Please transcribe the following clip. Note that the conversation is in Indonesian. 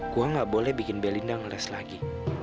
gua ga boleh bikin belinda ngeles lagi